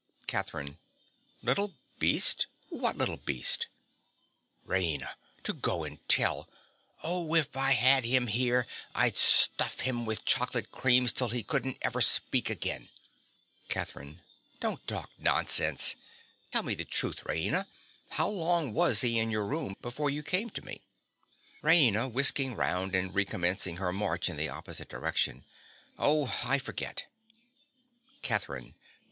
CATHERINE. Little beast! What little beast? RAINA. To go and tell! Oh, if I had him here, I'd stuff him with chocolate creams till he couldn't ever speak again! CATHERINE. Don't talk nonsense. Tell me the truth, Raina. How long was he in your room before you came to me? RAINA. (whisking round and recommencing her march in the opposite direction). Oh, I forget. CATHERINE.